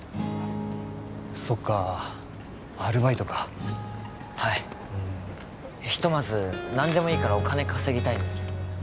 そっかアルバイトかはいひとまず何でもいいからお金稼ぎたいんです